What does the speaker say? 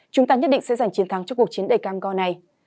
chúng ta nhất định sẽ giành chiến thắng cho cuộc chiến đầy cam go này